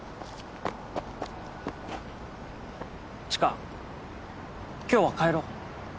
知花今日は帰ろう。